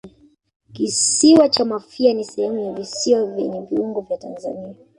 Kisiwa cha Mafia ni sehemu ya visiwa vyenye viungo vya Tanzania